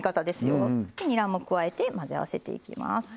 でにらも加えて混ぜ合わせていきます。